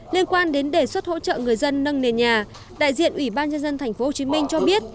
liên quan đến đề xuất hỗ trợ người dân nâng nền nhà đại diện ủy ban nhân dân tp hcm cho biết